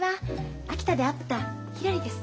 秋田で会ったひらりです。